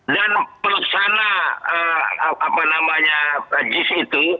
dan pelaksanaan jis itu